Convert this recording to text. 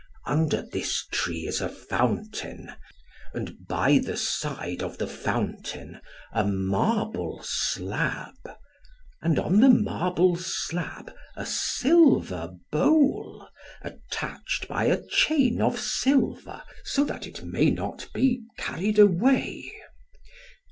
Under this tree is a fountain, and by the side of the fountain, a marble slab, and on the marble slab a silver bowl, attached by a chain of silver, so that it may not be carried away.